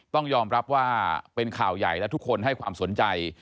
ต้องยอมรับว่าเป็นข่าวใหญ่และทุกคนให้ความสนใจ